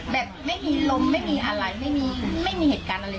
แบบไม่มีลมไม่มีอะไรไม่มีไม่มีเหตุการณ์อะไร